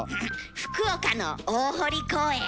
福岡の大濠公園。